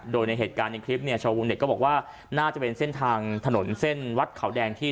โดยในเหตุการณ์ในคลิปเนี่ยชาววงเต็ตก็บอกว่าน่าจะเป็นเส้นทางถนนเส้นวัดเขาแดงที่